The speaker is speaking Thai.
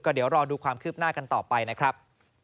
เดี๋ยวรอดูความคืบหน้ากันต่อไปนะครับ